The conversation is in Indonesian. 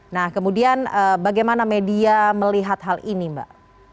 nah kemudian bagaimana media melihat hal ini mbak